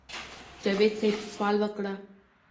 جاوېد صېب سوال وکړۀ